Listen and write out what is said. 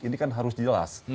ini kan harus jelas